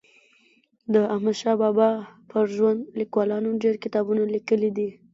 د احمدشاه بابا پر ژوند لیکوالانو ډېر کتابونه لیکلي دي.